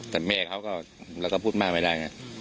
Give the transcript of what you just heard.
แต่แม่เขาก็พูดมากไม่ได้ไง